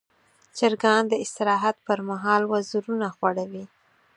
چرګان د استراحت پر مهال وزرونه غوړوي.